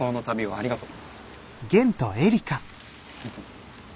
ありがとう。